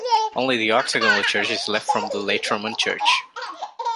Only the octagonal church is left from the late roman church.